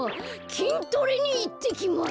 きんトレにいってきます！